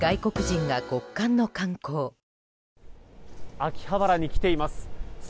秋葉原に来ています。